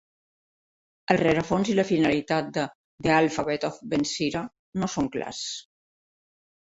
El rerefons i la finalitat de "The Alphabet of Ben-Sira" no són clars.